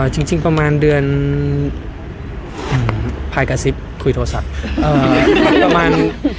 จริงจริงประมาณเดือนอืมภายกระซิบคุยโทรศัพท์เอ่อประมาณ